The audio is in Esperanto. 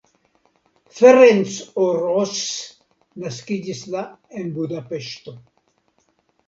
Ferenc Orosz naskiĝis la en Budapeŝto.